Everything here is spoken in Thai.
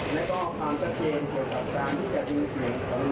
แล้วก็ความทักเกณฑ์เกี่ยวกับการที่จะดูเสียงเขารู้